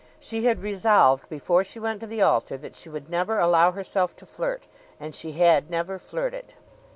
She had resolved before she went to the altar that she would never allow herself to flirt and she had never flirted.